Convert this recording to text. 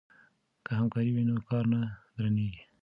که همکاري وي نو کار نه درنیږي.